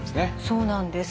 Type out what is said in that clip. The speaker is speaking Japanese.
そうなんです。